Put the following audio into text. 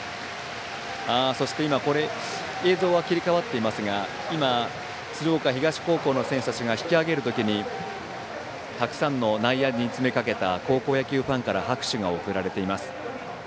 そして今映像は切り替わっていますが今、鶴岡東高校の選手たちが引き揚げる時にたくさんの内野に詰めかけた高校野球ファンから拍手が送られています。